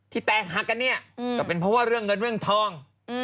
แตกหักกันเนี่ยก็เป็นเพราะว่าเรื่องเงินเรื่องทอง